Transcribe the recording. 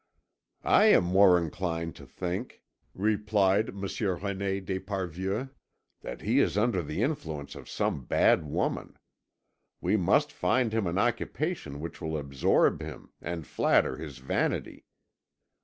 "I am more inclined to think," replied Monsieur René d'Esparvieu, "that he is under the influence of some bad woman. We must find him an occupation which will absorb him and flatter his vanity.